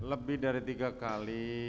lebih dari tiga kali